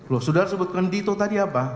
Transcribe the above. loh saudara sebutkan dito tadi apa